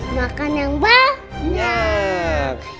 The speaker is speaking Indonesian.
makan yang banyak